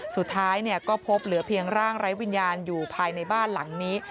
สุดท้ายก็พบเหลือเพียงร่างไร้วิญญาณอยู่ภายในบ้านหลังนี้